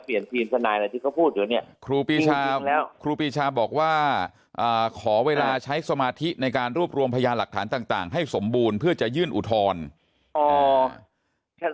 เพิ่มเติมอันไลน์เข้าไปแล้วเปลี่ยนการเลี้ยง